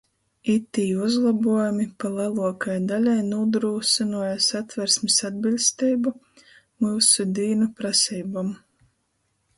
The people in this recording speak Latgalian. Itī uzlobuojumi pa leluokai daļai nūdrūsynuoja Satversmis atbiļsteibu myusu dīnu praseibom.